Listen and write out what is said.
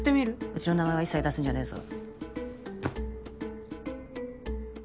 うちの名前は一切出すんじゃねぇぞ。